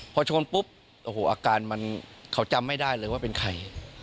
พอชนปุ๊บโอ้โหอาการมันเขาจำไม่ได้เลยว่าเป็นใคร